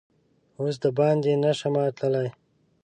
اوس دباندې نه شمه تللا ی